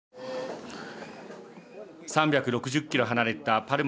３６０キロ離れたパルマの町で